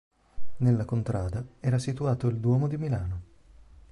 Nella contrada era situato il Duomo di Milano.